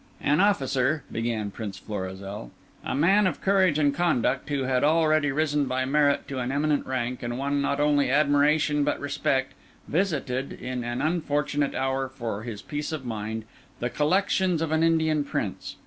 "An officer," began Prince Florizel, "a man of courage and conduct, who had already risen by merit to an eminent rank, and won not only admiration but respect, visited, in an unfortunate hour for his peace of mind, the collections of an Indian Prince.